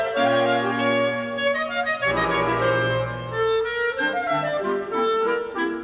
สวัสดีครับสวัสดีครับ